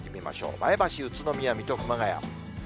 前橋、宇都宮、水戸、熊谷。